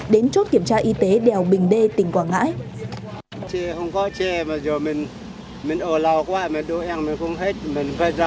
đến chốt kiểm tra y tế đèo bình đê tỉnh quảng ngãi